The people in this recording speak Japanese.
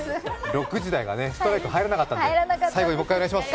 ６時台はストレート入らなかったので最後にもう一回お願いします！